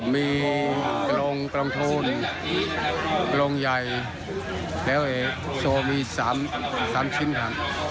มีกล่องกล่องโทนกล่องใหญ่แล้วโซมี๓ชิ้นครับ